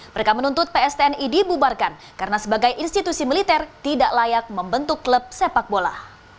mereka menuntut pstni dibubarkan karena sebagai institusi militer tidak layak membentuk klub sepak bola